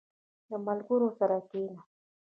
• د ملګرو سره کښېنه.